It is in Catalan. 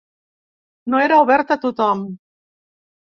No era obert a tothom.